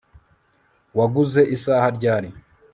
Waguze isaha ryari